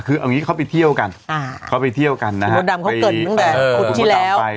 คือเอาอย่างงี้เขาไปเที่ยวกันเขาไปเที่ยวกันนะฮะ